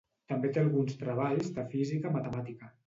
També té alguns treballs de física matemàtica.